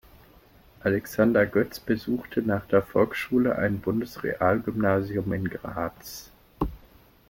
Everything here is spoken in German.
Alexander Götz besuchte nach der Volksschule ein Bundesrealgymnasium in Graz.